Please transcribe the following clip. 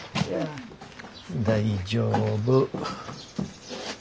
大丈夫。